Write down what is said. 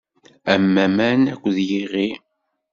Am aman, akked yiɣi.